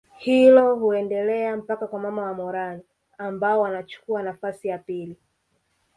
Hilo huendelea mpaka kwa mama wa morani ambao wanachukuwa nafasi ya pili